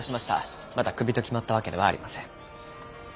まだクビと決まった訳ではありません。